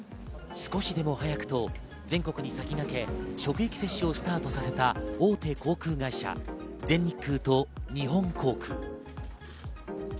少しでも早くと全国に先がけ、職域接種をスタートさせた大手航空会社、全日空と日本航空。